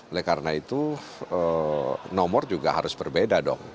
oleh karena itu nomor juga harus berbeda dong